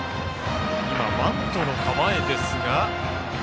今、バントの構えですが。